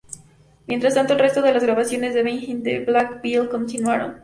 Mientras tanto, el resto de las grabaciones de Behind The Black Veil continuaron.